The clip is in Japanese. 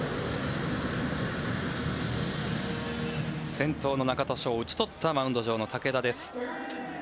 先頭の中田翔を打ち取ったマウンド上の武田です。